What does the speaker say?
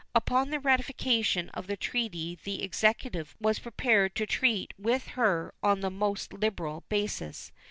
Upon the ratification of the treaty the Executive was prepared to treat with her on the most liberal basis.